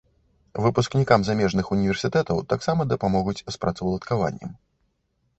Выпускнікам замежных універсітэтаў таксама дапамогуць з працаўладкаваннем.